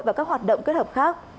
và các hoạt động kết hợp khác